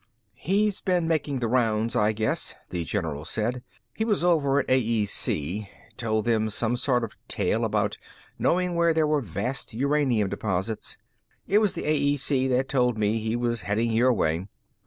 "He's been making the rounds, I guess," the general said. "He was over at AEC. Told them some sort of tale about knowing where there were vast uranium deposits. It was the AEC that told me he was heading your way."